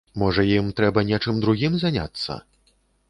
Можа, ім трэба нечым другім заняцца.